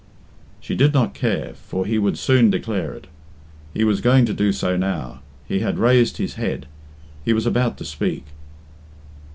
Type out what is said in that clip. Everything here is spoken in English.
She did not care, for he would soon declare it. He was going to do so now; he had raised his head, he was about to speak.